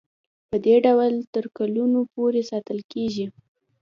پدې ډول تر کلونو پورې ساتل کیږي.